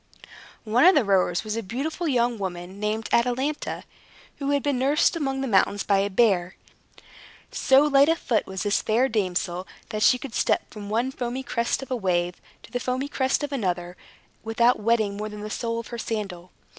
One of the rowers was a beautiful young woman, named Atalanta, who had been nursed among the mountains by a bear. So light of foot was this fair damsel, that she could step from one foamy crest of a wave to the foamy crest of another, without wetting more than the sole of her sandal.